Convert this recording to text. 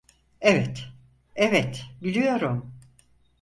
Evet, evet, biliyorum.